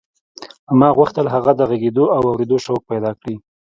ما غوښتل هغه د غږېدو او اورېدو شوق پیدا کړي